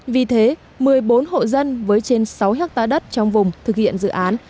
vì thế một mươi bốn hộ dân với trên sáu hectare đất trong vùng thực hiện dự án